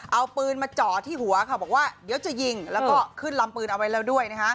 เอาปืนมาจ่อที่หัวค่ะบอกว่าเดี๋ยวจะยิงแล้วก็ขึ้นลำปืนเอาไว้แล้วด้วยนะฮะ